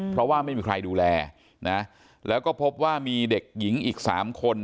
เพราะว่าไม่มีใครดูแลนะแล้วก็พบว่ามีเด็กหญิงอีก๓คน